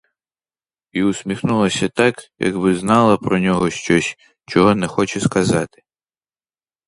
І усміхнулася так, якби знала про нього щось, чого не хоче сказати.